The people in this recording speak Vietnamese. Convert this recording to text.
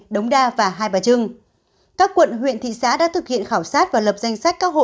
đống đa và hai bà trưng các quận huyện thị xã đã thực hiện khảo sát và lập danh sách các hộ